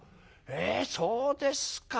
えそうですか。